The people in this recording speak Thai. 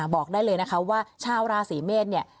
บอกได้เลยนะคะว่าชาวราศีเมษเนี่ย